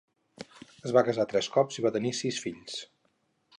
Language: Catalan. Es va casar tres cops i va tenir sis fills.